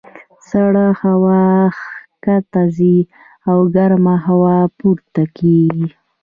سړه هوا ښکته ځي او ګرمه هوا پورته کېږي.